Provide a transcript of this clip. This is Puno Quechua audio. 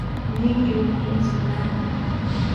Ninrin ukhunsi nanan.